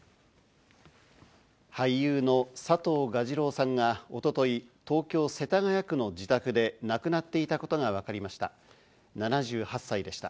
俳優の佐藤蛾次郎さんが一昨日、東京・世田谷区の自宅で亡くなっていたことがわかりました。